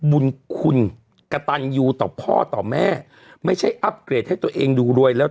บุญคุณกระตันยูต่อพ่อต่อแม่ไม่ใช่อัพเกรดให้ตัวเองดูรวยแล้ว